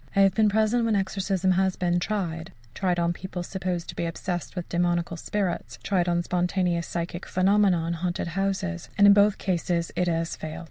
I have been present when exorcism has been tried tried on people supposed to be obsessed with demoniacal spirits, and tried on spontaneous psychic phenomena in haunted houses and in both cases it has failed.